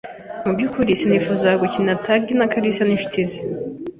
Mu byukuri sinifuzaga gukina tagi na kalisa n'inshuti ze.